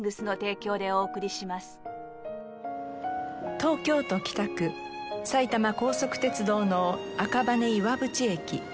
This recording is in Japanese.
東京都北区埼玉高速鉄道の赤羽岩淵駅。